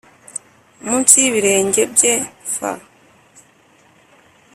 munsi y ibirenge bye f